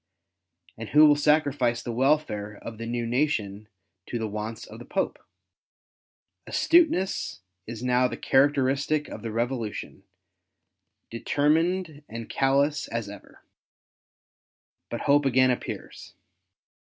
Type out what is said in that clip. And who will sacrifice the welfare of the new nation to the wants of the Pope ? Astuteness is now the characteristic of the Eevolution, determined and callous as ever. But hope again appears.